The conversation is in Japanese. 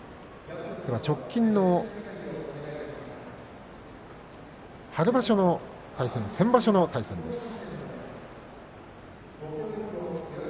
直近の春場所の対戦先場所の対戦です。